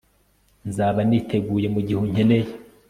Nzaba niteguye mugihe unkeneye